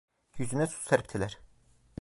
Yüzüne su serptiler.